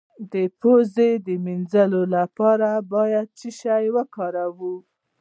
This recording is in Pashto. د پوزې د مینځلو لپاره باید څه شی وکاروم؟